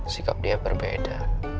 sikap dia berbeda